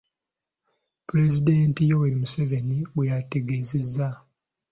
Pulezidenti Yoweri Museveni bwe yategeezezza.